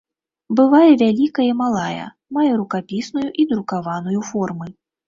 Бывае вялікая і малая, мае рукапісную і друкаваную формы.